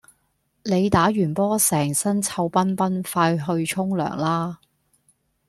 你打完波成身臭肨肨快去沖涼啦